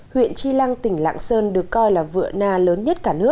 huyện tri lăng tỉnh lạng sơn được coi là vựa na lớn nhất